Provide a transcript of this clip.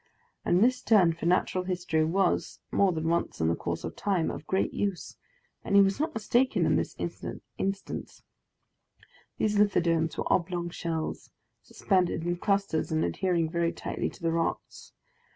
And his turn for natural history was, more than once in the course of time, of great use, and he was not mistaken in this instance. These lithodomes were oblong shells, suspended in clusters and adhering very tightly to the rocks.